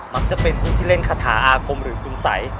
มักจะเป็นผู้ที่เล่นคาถาอาคมหรือคุณสัย